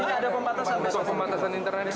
iya ada pembatasan internet